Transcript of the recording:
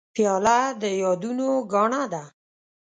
پیاله د یادونو ګاڼه ده.